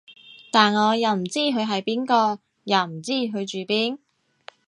但我又唔知佢係邊個，又唔知佢住邊